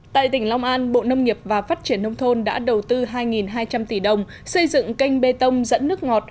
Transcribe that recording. tại tỉnh long an bộ nông nghiệp và phát triển nông thôn đã đầu tư hai hai trăm linh tỷ đồng xây dựng kênh bê tông dẫn nước ngọt